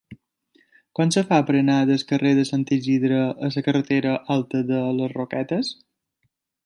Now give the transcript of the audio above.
Com es fa per anar del carrer de Sant Isidre a la carretera Alta de les Roquetes?